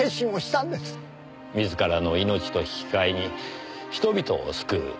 自らの命と引き換えに人々を救う。